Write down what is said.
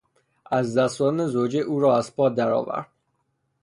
از دست دادن زوجه او را از پا درآورد.